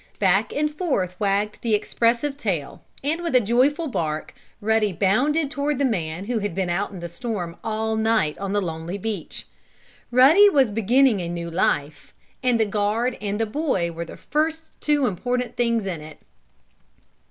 Back and forth wagged the expressive tail, and, with a joyful bark, Ruddy bounded toward the man who had been out in the storm all night on the lonely beach. Ruddy was beginning a new life, and the guard and the boy were the first two important things in it.